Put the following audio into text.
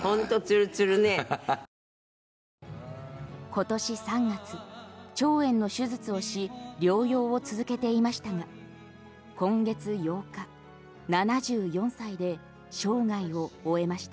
今年３月、腸炎の手術をし療養を続けていましたが今月８日７４歳で生涯を終えました。